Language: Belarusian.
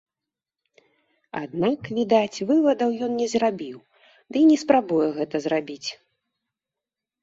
Аднак, відаць, вывадаў ён не зрабіў, ды і не спрабуе гэта зрабіць.